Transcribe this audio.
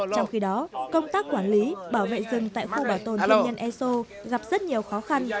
trong khi đó công tác quản lý bảo vệ rừng tại khu bảo tồn thiên nhiên e sô gặp rất nhiều khó khăn